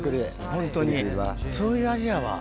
本当にそういう味やわ。